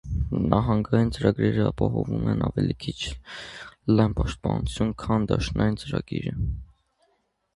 Նահանգային ծրագրերն ապահովում են ավելի քիչ լայն պաշտպանություն, քան դաշնային ծրագիրը։